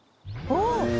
お！